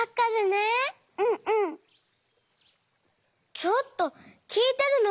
ちょっときいてるの？